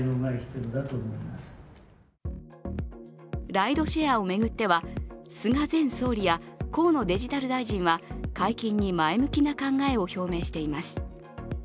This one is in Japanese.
ライドシェアを巡っては、菅前総理や河野デジタル大臣は解禁に前向きな考えを表明しています。